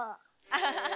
アハハハハ！